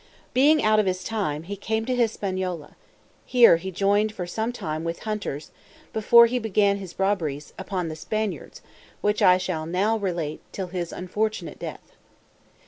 Being out of his time, he came to Hispaniola; here he joined for some time with the hunters, before he began his robberies upon the Spaniards, which I shall now relate, till his unfortunate death.